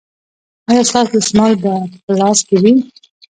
ایا ستاسو دستمال به په لاس وي؟